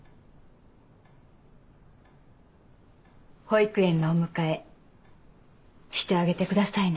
保育園のお迎えしてあげてくださいな。